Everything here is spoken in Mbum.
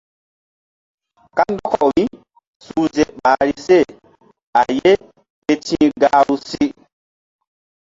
Kandɔkaw mísuhze ɓahri se a ye ke ti̧h gahru si.